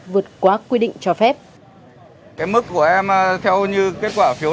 vượt quá quy định cho phép